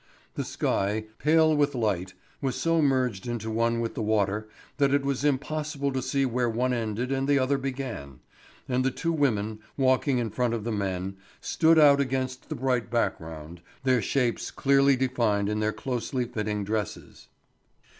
The sky, pale with light, was so merged into one with the water that it was impossible to see where one ended and the other began; and the two women, walking in front of the men, stood out against the bright background, their shapes clearly defined in their closely fitting dresses.